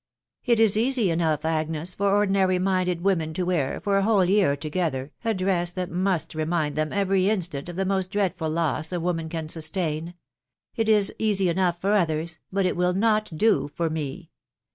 It is easy enough, Agnes, for ordinary minded women to wear, for a whole year together, a dress that must remind them every in stant of the most dreadful loss a woman can sustain !— it is easy enough for others, but it will not do for me